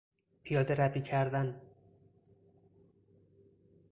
پیادهروی کردن